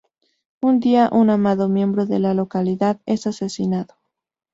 Un dia un amado miembro de la localidad es asesinado.